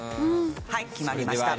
はい決まりました。